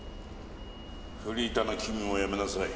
「フリーターの君もやめなさい」